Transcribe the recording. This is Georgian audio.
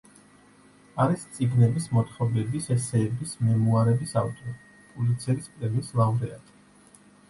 არის წიგნების, მოთხრობების ესეების, მემუარების ავტორი, პულიცერის პრემიის ლაურეატი.